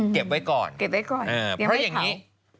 เก็บไว้ก่อนเดี๋ยวไม่เผาเพราะอย่างนี้